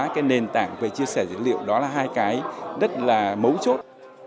cái nền tảng về chia sẻ dữ liệu đó là hai cái rất là mấu chốt